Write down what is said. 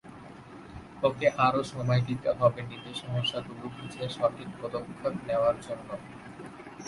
ওকে আরও সময় দিতে হবে নিজের সমস্যাগুলো বুঝে সঠিক পদক্ষেপগুলো নেওয়ার জন্য।